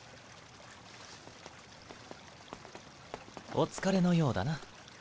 お疲れのようだな。